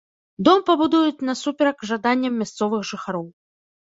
Дом пабудуюць насуперак жаданням мясцовых жыхароў.